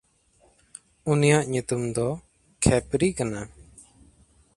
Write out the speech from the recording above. ᱩᱱᱤᱭᱟᱜ ᱧᱩᱛᱩᱢ ᱫᱚ ᱠᱷᱮᱯᱨᱤ ᱠᱟᱱᱟ᱾